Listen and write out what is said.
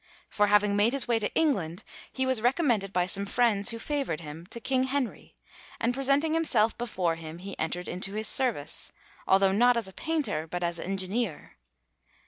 For, having made his way to England, he was recommended by some friends, who favoured him, to King Henry; and presenting himself before him, he entered into his service, although not as painter, but as engineer.